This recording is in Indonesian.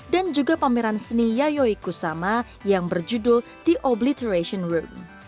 dan juga pameran seni yayoi kusama yang berjudul the obliteration room